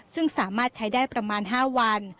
ซึ่งสามารถใช้ได้ประมาณ๕วัน